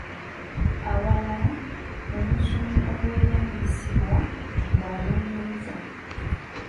Awalala omusono ogweyambisibwa gwa Lungereza